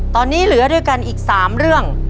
ตอนนี้เหลือด้วยกันอีก๓เรื่อง